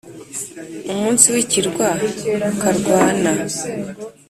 umunsi w'i kirwa, karwana